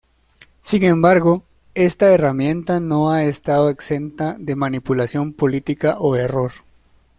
Sin embargo, esta herramienta no ha estado exenta de manipulación política o error.